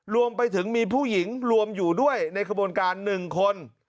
รวมไปถึงมีผู้หญิงรวมอยู่ด้วยในขบวนการ๑คน